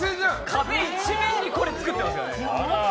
壁一面にこれ作ってますからね。